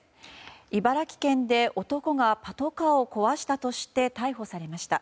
茨城県で男がパトカーを壊したとして逮捕されました。